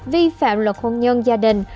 vi phạm luật hôn nhân gia đình